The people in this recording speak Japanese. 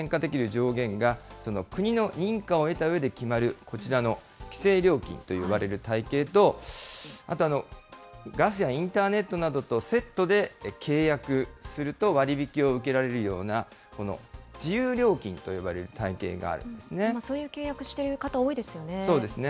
上限が、国の認可を得たうえで決まる、こちらの規制料金といわれる体系と、あと、ガスやインターネットなどとセットで契約すると割引を受けられるような、この自由料金そういう契約している方、多そうですね。